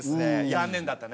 残念だったね。